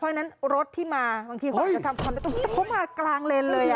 เพราะฉะนั้นรถที่มาบางทีเขาจะทำคอนเตอร์เขามากลางเลนเลย